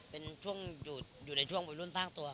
เป็นช่วงอยู่ในช่วงวัยรุ่นสร้างตัว